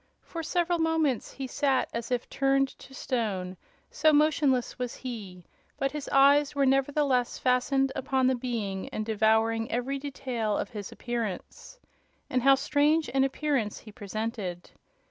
For several moments he sat as if turned to stone, so motionless was he; but his eyes were nevertheless fastened upon the Being and devouring every detail of his appearance. And how strange an appearance he presented!